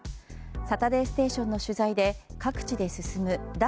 「サタデーステーション」の取材で各地で進む脱